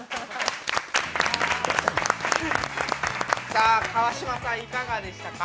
さあ、川島さん、いかがでしたか？